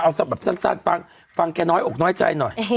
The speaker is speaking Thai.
เอาแบบสั้นฟังฟังแกน้อยอกน้อยใจหน่อย